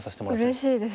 うれしいですよね。